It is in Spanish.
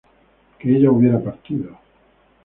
que ella hubiera partido